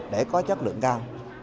để có chất lượng cao